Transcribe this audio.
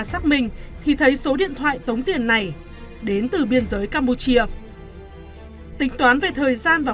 xác minh thì thấy số điện thoại tống tiền này đến từ biên giới campuchia tính toán về thời gian và